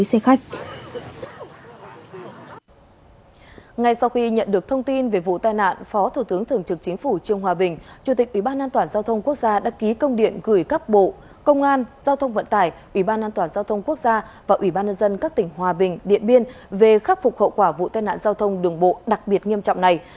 sau khi nhận được thông tin về vụ tai nạn phó thủ tướng thường trực chính phủ trương hòa bình chủ tịch ủy ban an toàn giao thông quốc gia đã ký công điện gửi các bộ công an giao thông vận tải ủy ban an toàn giao thông quốc gia và ủy ban nhân dân các tỉnh hòa bình điện biên về khắc phục hậu quả vụ tai nạn giao thông đường bộ đặc biệt nghiêm trọng này